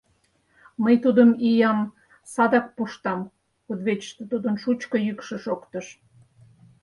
— Мый тудым, иям, садак пуштам! — кудывечыште тудын шучко йӱкшӧ шоктыш.